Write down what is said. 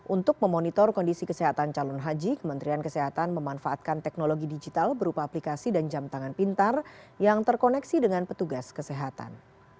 untuk memonitor kondisi kesehatan calon haji kementerian kesehatan memanfaatkan teknologi digital berupa aplikasi dan jam tangan pintar yang terkoneksi dengan petugas kesehatan